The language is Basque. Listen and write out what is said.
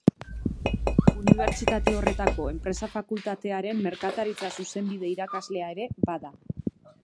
Unibertsitate horretako Enpresa Fakultatearen merkataritza-zuzenbide irakaslea ere bada.